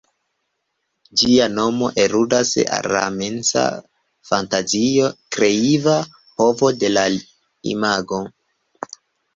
Ĝia nomo aludas al la mensa fantazio, kreiva povo de la imago.